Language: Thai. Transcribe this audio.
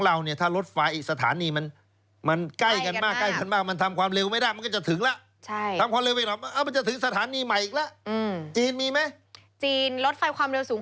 จีนรถไฟความเร็วสูงของจีนเอง